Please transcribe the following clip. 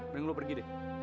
mending lu pergi deh